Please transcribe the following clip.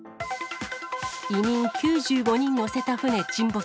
移民９５人乗せた船沈没。